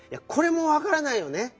これもわからないよね。